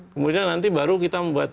kemudian nanti baru kita membuat